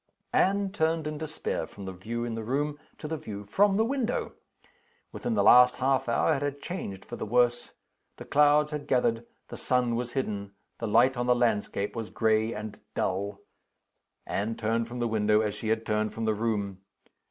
Anne turned in despair from the view in the room to the view from the window. Within the last half hour it had changed for the worse. The clouds had gathered; the sun was hidden; the light on the landscape was gray and dull. Anne turned from the window, as she had turned from the room.